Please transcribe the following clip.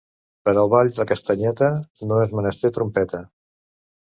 Per a ball de castanyeta no és menester trompeta.